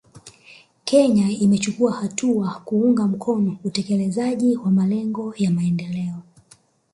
Kenya imechukua hatua kuunga mkono utekelezaji wa malengo ya maendeleo